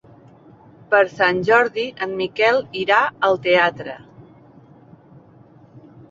Per Sant Jordi en Miquel irà al teatre.